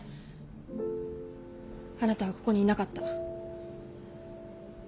あなたはここにいなかった。